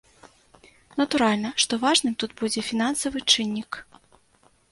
Натуральна, што важным тут будзе фінансавы чыннік.